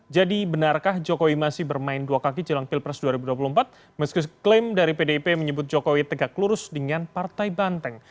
jadi benarkah jokowi masih bermain dua kaki jelang pilpres dua ribu dua puluh empat meski klaim dari pdip menyebut jokowi tegak lurus dengan partai banteng